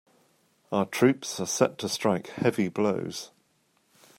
Our troops are set to strike heavy blows.